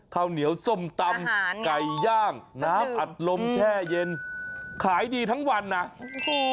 ข้าวเหนียวส้มตำไก่ย่างน้ำอัดลมแช่เย็นขายดีทั้งวันนะโอ้โห